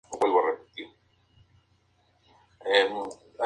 Las obras antiguas se hacían con pinturas al fresco y al temple.